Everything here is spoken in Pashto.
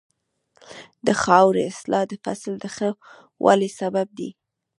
د خاورې اصلاح د فصل د ښه والي سبب ده.